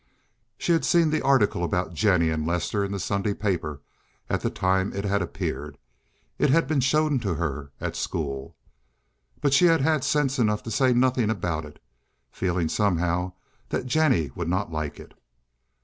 She had seen the article about Jennie and Lester in the Sunday paper at the time it had appeared—it had been shown to her at school—but she had had sense enough to say nothing about it, feeling somehow that Jennie would not like it.